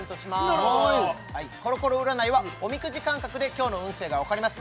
なるほどコロコロ占いはおみくじ感覚で今日の運勢が分かります